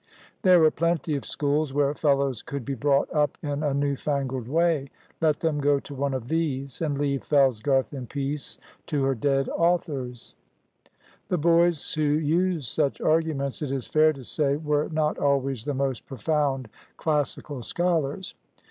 There were plenty of schools where fellows could be brought up in a new fangled way. Let them go to one of these, and leave Fellsgarth in peace to her dead authors. The boys who used such arguments, it is fair to say, were not always the most profound classical scholars.